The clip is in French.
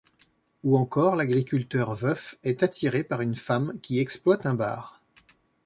Ou encore, l'agriculteur, veuf, est attiré par une femme qui exploite un bar.